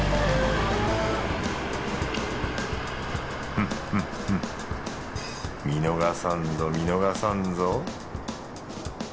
フッフッフッ見逃さんぞ見逃さんぞ